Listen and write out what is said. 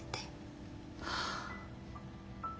はあ。